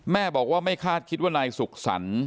แม่บอกว่าไม่คาดคิดว่านายสุขสรรค์